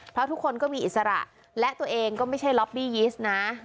เพราะทุกคนก็มีอิสระและตัวเองก็ไม่ใช่ล็อบบี้ยิสต์นะ